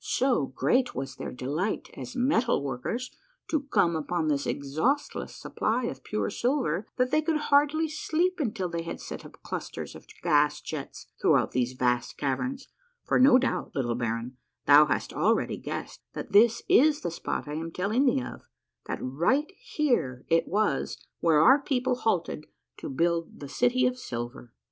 So great was their delight as metal workers to come upon this exhaustless supply of pure silver that they could hardly sleep until they had set up clusters of gas jets throughout these vast caverns, for, no doubt, little baron, thou hast already guessed that this is the spot I am telling thee of ; that right here it was where our people halted to build the City of Silver.